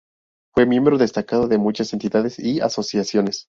Fue miembro destacado de muchas entidades y asociaciones.